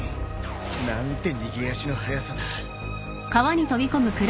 何て逃げ足の速さだ。